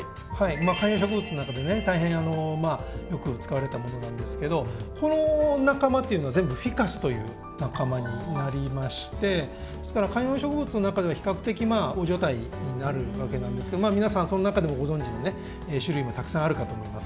観葉植物の中でね大変よく使われたものなんですけどこの仲間というのは全部フィカスという仲間になりまして観葉植物の中では比較的大所帯になるわけなんですけど皆さんその中でもご存じの種類もたくさんあるかと思います。